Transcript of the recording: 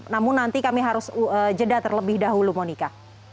namun nanti kami harus jeda terlebih dahulu monika